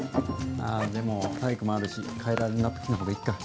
ああ、でも体育もあるし替えられるナプキンの方がいいか。